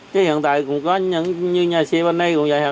chứ hiện tại cũng có như nhà xe bên đây cũng vậy